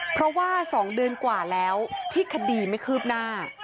เพราะว่า๒เดือนกว่าแล้วที่คดีไม่คืบหน้า